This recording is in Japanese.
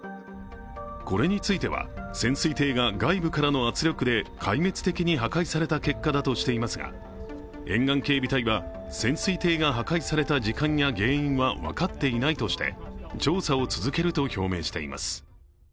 これについては潜水艇が外部からの圧力で壊滅的に破壊された結果だとしていますが、沿岸警備隊は潜水艇が破壊された時間や原因は分かっていないとして調査を続けると表明しています。